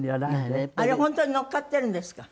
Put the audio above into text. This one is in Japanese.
あれ本当にのっかっているんですか？